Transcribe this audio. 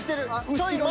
ちょい前。